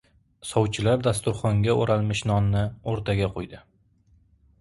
Sovchilar dasturxonga o‘ralmish nonni o‘rtaga qo‘ydi.